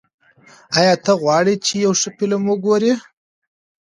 ایا ته غواړې چې یو ښه فلم وګورې؟